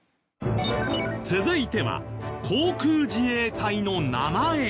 続いては航空自衛隊の名前。